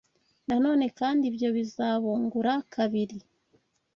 Na none kandi ibyo bizabungura kabiri